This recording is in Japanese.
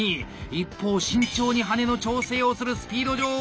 一方慎重に羽根の調整をする「スピード女王」